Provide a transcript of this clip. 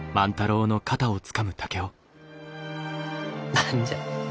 何じゃ？